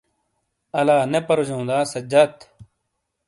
الانے پروجوں دا سجاد؟